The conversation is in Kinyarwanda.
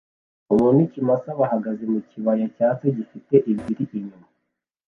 Umuntu n'ikimasa bahagaze mu kibaya cyatsi gifite ibiti inyuma